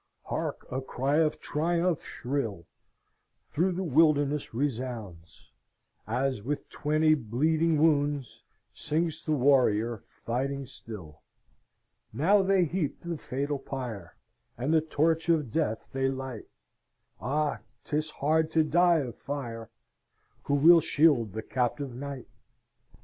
Hark! a cry of triumph shrill Through the wilderness resounds, As, with twenty bleeding wounds, Sinks the warrior, fighting still. "Now they heap the fatal pyre, And the torch of death they light Ah! 'tis hard to die of fire! Who will shield the captive knight?